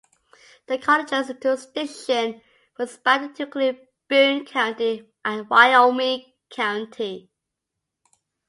The college's jurisdiction was expanded to include Boone County and Wyoming County.